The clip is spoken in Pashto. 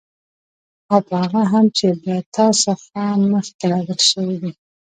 او په هغه هم چې له تا څخه مخكي نازل شوي دي